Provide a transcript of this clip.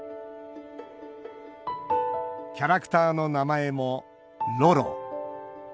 キャラクターの名前も「ロロ」。